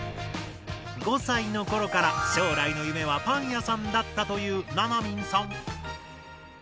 ５歳の頃から将来の夢はパン屋さんだったというななみんさん。